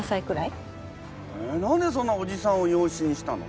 へえ何でそんなおじさんを養子にしたの？